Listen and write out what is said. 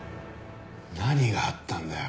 何があったんだよ